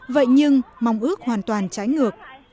vậy nhưng mong ước hoàn toàn trái ngược